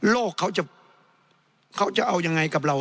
เขาจะเขาจะเอายังไงกับเรา